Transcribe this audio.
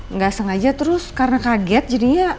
nggak sengaja terus karena kaget jadinya